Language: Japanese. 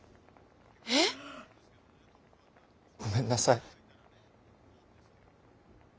え⁉ごめんなさい。